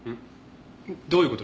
どういう事です？